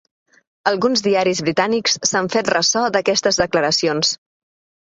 Alguns diaris britànics s’han fet ressò d’aquestes declaracions.